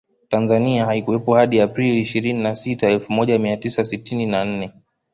Tanzania haikuwepo hadi Aprili ishirini na sita Elfu moja mia tisa sitini na nne